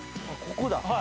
ここだ。